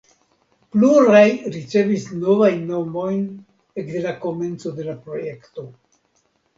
Pluraj ricevis novajn nomojn ekde la komenco de la projekto.